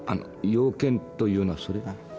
用件というのはそれ？